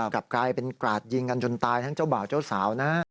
กลับกลายเป็นกราดยิงกันจนตายทั้งเจ้าบ่าวเจ้าสาวนะ